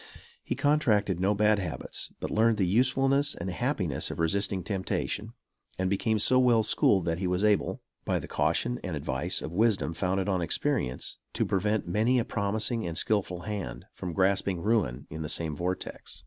He contracted no bad habits, but learned the usefulness and happiness of resisting temptation, and became so well schooled that he was able, by the caution and advice of wisdom founded on experience, to prevent many a promising and skillful hand from grasping ruin in the same vortex.